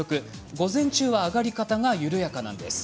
午前中は上がり方が緩やかです。